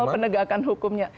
kalau penegakan hukumnya